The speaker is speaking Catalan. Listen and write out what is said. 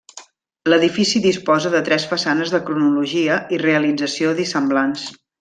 L'edifici disposa de tres façanes de cronologia i realització dissemblants.